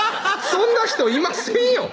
そんな人いませんよ